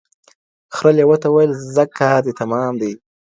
خره لېوه ته ویل ځه کار دي تمام دی